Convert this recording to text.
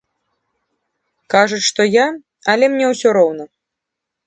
Кажуць, што я, але мне ўсё роўна.